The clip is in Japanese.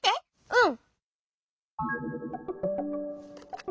うん。